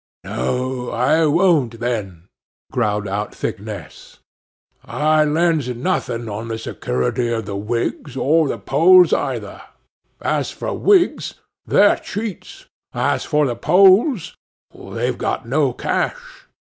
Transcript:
'No, I won't, then,' growled out Thicknesse. 'I lends nothing on the security of the whigs or the Poles either. As for whigs, they're cheats; as for the Poles, they've got no cash.